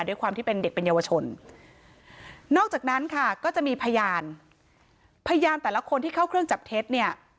ด้วยความที่เป็นเด็กเป็นเยาวชนนอกจากนั้นค่ะก็จะมีพยานพยานแต่ละคนที่เข้าเครื่องจับเท็จเนี่ย